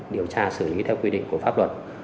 điều tra xử lý theo quy định của pháp luật